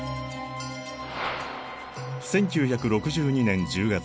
１９６２年１０月